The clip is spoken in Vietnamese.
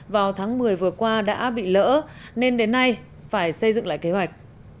vào tháng một mươi vừa qua đã bị lỡ nên đến nay phải xây dựng lại kế hoạch